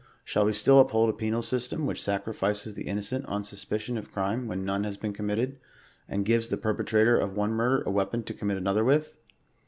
Shdl we still uphoW a 116 penal system, which sacrifices the innocent on suspicion of crime when none has been committed, and gives the perpetra tor of one murder a weapon to commit another with